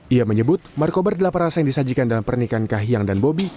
ia menyebut markobar delapan rasa yang disajikan dalam pernikahan kahiyang dan bobi